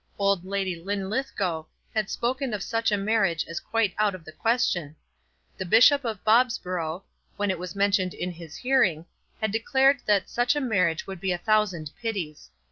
Old Lady Linlithgow had spoken of such a marriage as quite out of the question. The Bishop of Bobsborough, when it was mentioned in his hearing, had declared that such a marriage would be a thousand pities.